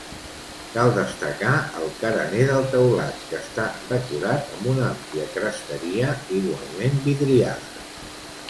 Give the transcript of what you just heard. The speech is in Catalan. Cal destacar el carener del teulat que està decorat amb una àmplia cresteria, igualment vidriada.